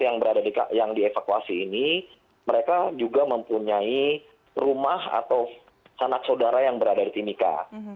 yang dievakuasi ini mereka juga mempunyai rumah atau sanak saudara yang berada di timika